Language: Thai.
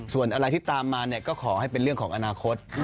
ส่วนอะไรที่ตามมาก็ขอให้เป็นเรื่องของอนาคต